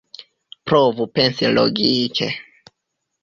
Provu pensi logike.